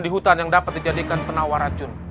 di hutan yang dapat dijadikan penawar racun